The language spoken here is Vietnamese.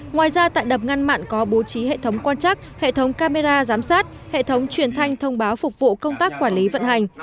ngoài ra tại đập ngăn mặn có bố trí hệ thống quan trắc hệ thống camera giám sát hệ thống truyền thanh thông báo phục vụ công tác quản lý vận hành